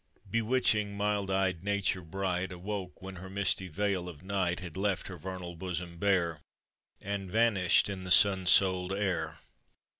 Bewitching, mild eyed nature bright, Woke when her misty veil of night Had left her vernal bosom bare, And vanished in the sun souled air.